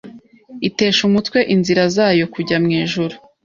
itesha umutwe inzira zayo kujya mwijuru